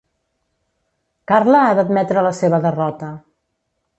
Carla ha d'admetre la seva derrota.